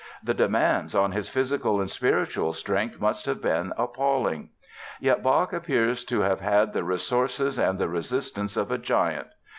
The demands on his physical and spiritual strength must have been appalling. Yet Bach appears to have had the resources and the resistance of a giant.